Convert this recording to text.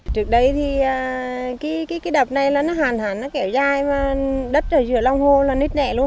trước đây thì cái đập này nó hàn hẳn nó kẻo dai mà đất ở giữa lòng hồ là nít nẹ luôn